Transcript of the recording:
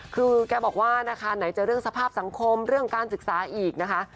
คือแกบอกว่านะคะไหนจะเรื่องสภาพสังคมเรื่องการศึกษาอีกนะคะ